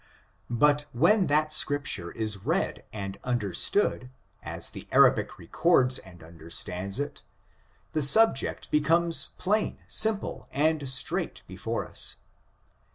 But when that Scripture i3 read and understood, as the Arabic records and under stands it, the subject becomes plain, simple, and straight before us.